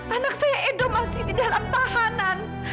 anak saya edo masih di dalam tahanan